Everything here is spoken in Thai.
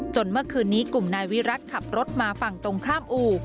เมื่อคืนนี้กลุ่มนายวิรัติขับรถมาฝั่งตรงข้ามอู่